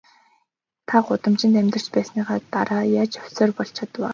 Та гудамжинд амьдарч байсныхаа дараа яаж профессор болж чадав аа?